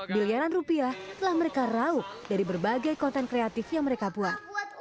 biliaran rupiah telah mereka raup dari berbagai konten kreatif yang mereka buat